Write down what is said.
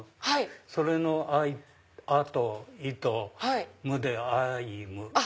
それの「あ」と「い」と「む」であいむ。